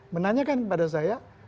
menanyakan kepada saya